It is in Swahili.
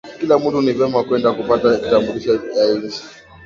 Kila mutu ni vema kwenda kupata kitambulisho ya inchi